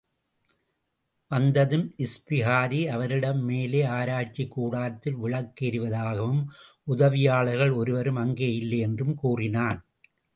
வந்ததும் இஸ்பிகாரி அவனிடம் மேலே ஆராய்ச்சிக் கூடாரத்தில் விளக்கு எரிவதாகவும், உதவியாளர்கள் ஒருவரும் அங்கே இல்லை என்றும் கூறினான்.